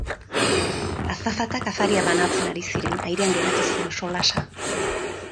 Azafatak afaria banatzen ari ziren, airean geratu zen solasa.